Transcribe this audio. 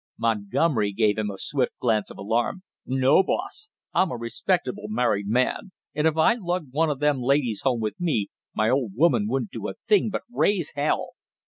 Montgomery gave him a swift glance of alarm. "No, boss, I'm a respectable married man, and if I lugged one of them ladies home with me, my old woman wouldn't do a thing but raise hell!